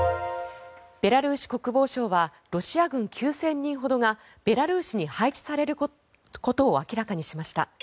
ベラルーシ国防省はロシア軍９０００人ほどがベラルーシに配置されることを明らかにしました。